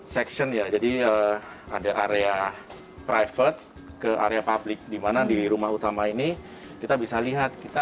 section ya jadi ada area private ke area publik dimana di rumah utama ini kita bisa lihat kita